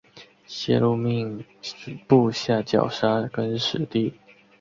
谢禄命部下绞杀更始帝。